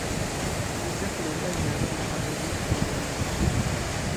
Ĝis la fino de la jaro la aperritmo normaliĝos.